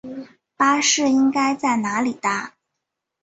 巴士应该在哪里搭？